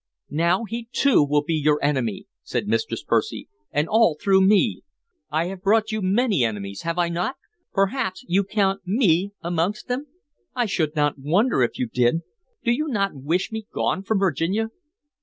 "Now he too will be your enemy," said Mistress Percy, "and all through me. I have brought you many enemies, have I not? Perhaps you count me amongst them? I should not wonder if you did. Do you not wish me gone from Virginia?"